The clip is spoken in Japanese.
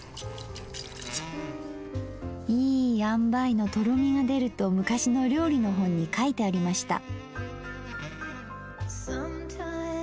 いい塩梅のとろみが出ると昔の料理の本に書いてありました。